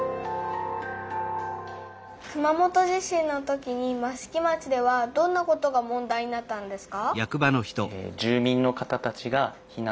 熊本地震のときに益城町ではどんなことが問題になったんですか？